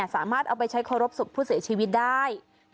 สามารถเอาไปใช้เคารพศพผู้เสียชีวิตได้